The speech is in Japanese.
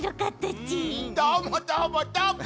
どーもどーもどーも！